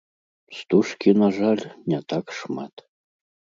Стужкі, на жаль, не так шмат.